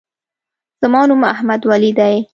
زما نوم احمدولي دی.